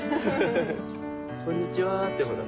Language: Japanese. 「こんにちは」ってほら。